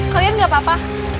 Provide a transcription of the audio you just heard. kalian tidak apa apa